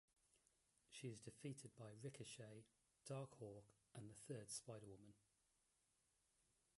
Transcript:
She is defeated by Ricochet, Darkhawk, and the third Spider-Woman.